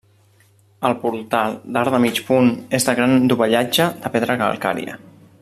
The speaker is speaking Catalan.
El portal, d'arc de mig punt, és de gran dovellatge, de pedra calcària.